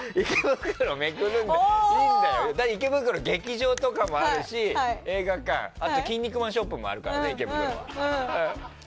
池袋、劇場とかもあるし映画館とかあとはキン肉マンショップもあるから、池袋は。